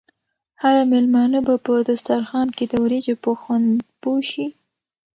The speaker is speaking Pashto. آیا مېلمانه به په دسترخوان کې د وریجو په خوند پوه شي؟